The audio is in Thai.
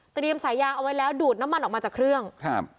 สายยางเอาไว้แล้วดูดน้ำมันออกมาจากเครื่องครับ